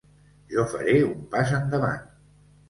Jo faré un pas endavant.